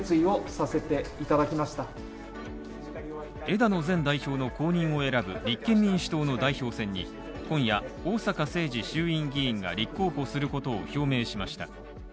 枝野前代表の後任を選ぶ立憲民主党の代表選に、今夜逢坂誠二衆院議員が立候補することを表明しました。